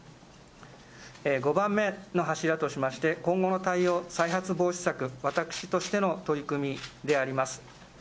５番目の柱としまして、今後の対応、再発防止策、私としての取り組みであります。